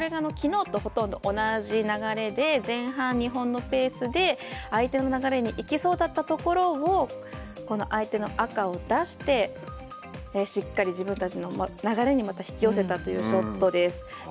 きのうとほとんど同じ流れで前半、日本のペースで相手の流れにいきそうだったところを相手の赤を出してしっかり自分たちの流れにまた引き寄せたというショットです。